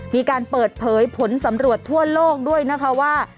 มีการเปิดเผยผลสำรวจทั่วโลกด้วยนะคะว่า